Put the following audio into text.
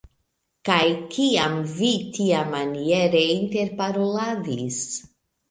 Kaj, kiam vi tiamaniere interparoladis?